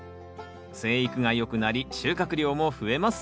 生育がよくなり収穫量も増えます